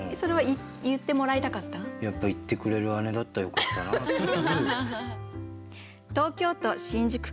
やっぱ言ってくれる姉だったらよかったなっていう。